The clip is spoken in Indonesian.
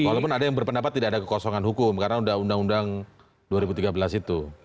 walaupun ada yang berpendapat tidak ada kekosongan hukum karena sudah undang undang dua ribu tiga belas itu